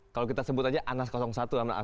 kalau kita sebut saja anas satu sama anas dua lah